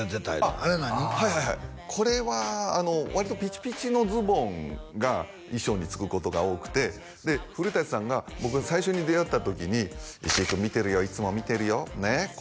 はいはいはいこれはあの割とピチピチのズボンが衣装につくことが多くてで古さんが僕が最初に出会った時に「石井君見てるよいつも見てるよねえ」